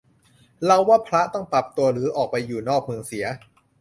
เราว่าพระต้องปรับตัว หรือไปอยู่นอกเมืองเสีย